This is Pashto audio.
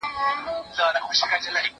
زه مخکي قلم استعمالوم کړی و!.